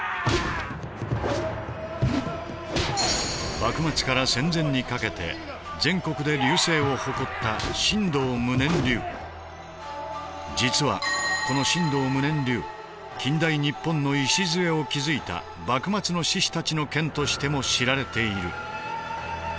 幕末から戦前にかけて全国で隆盛を誇った実はこの神道無念流近代日本の礎を築いた幕末の志士たちの剣としても知られている。